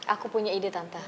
aku punya ide tante